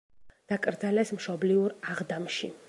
დაკრძალეს მშობლიურ აღდამში.